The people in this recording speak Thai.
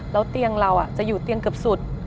แล้วเตียงเราจะอยู่เตียงเกือบสุด